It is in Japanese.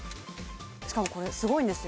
しかもこれすごいんですよ